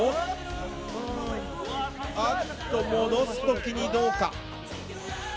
あっと、戻す時にどうか。